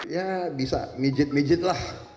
ya bisa mijit mijit lah